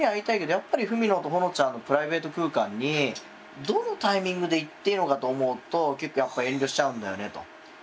やっぱり文野とほのちゃんのプライベート空間にどのタイミングで行っていいのかと思うと結構やっぱ遠慮しちゃうんだよねと。